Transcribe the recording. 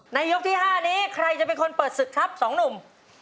ยกที่๕นี้ใครจะเป็นคนเปิดศึกครับสองหนุ่ม